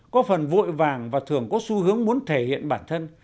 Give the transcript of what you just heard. có phần vội vàng và thường có xu hướng muốn thể hiện bản thân